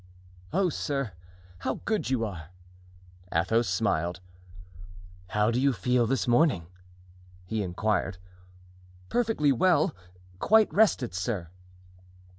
"Oh, sir, how good you are!" Athos smiled. "How do you feel this morning?" he inquired. "Perfectly well; quite rested, sir."